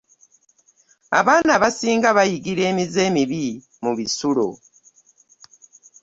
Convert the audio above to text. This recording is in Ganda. Abaana abasinga bayigira emize emibi mu bisulo.